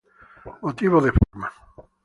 Motivos de forma.